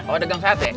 oh degang sate